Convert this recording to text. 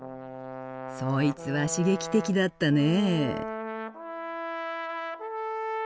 そいつは刺激的だったね。